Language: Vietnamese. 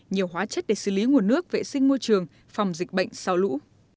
nhiều hóa chất để xử lý nguồn nước vệ sinh môi trường phòng dịch bệnh sau lũ